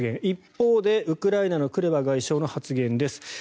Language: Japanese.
一方でウクライナのクレバ外相の発言です。